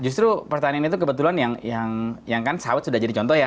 justru pertanian itu kebetulan yang kan sawit sudah jadi contoh ya